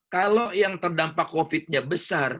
kalau yang terdampak covid nya besar